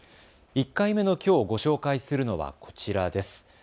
１回目のきょう、ご紹介するのはこちらです。